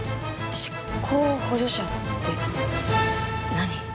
執行補助者って何？